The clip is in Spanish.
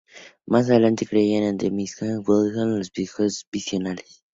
Más adelante, caerían ante los Minnesota Vikings en los juegos divisionales.